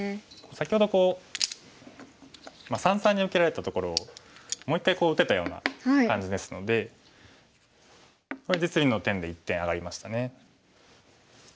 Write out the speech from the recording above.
先ほどこう三々に受けられたところをもう一回打てたような感じですのでこれ実利の点で１点上がりましたね。